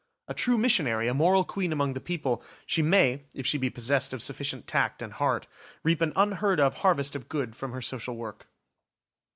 A true missionary, a moral queen among the people, she may, if she be possessed of sufficient tact and heart, reap an unheard of harvest of good from her social work.